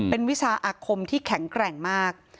เป็นวิชาอาคมที่แข็งแกร่งมาก